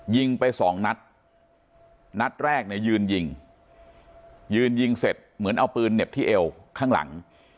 ยิงไปสองนัดนัดแรกเนี่ยยืนยิงยืนยิงเสร็จเหมือนเอาปืนเหน็บที่เอวข้างหลัง